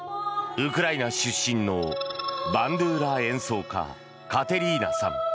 ウクライナ出身のバンドゥーラ演奏家カテリーナさん。